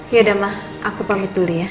yaudah mah aku pamit dulu ya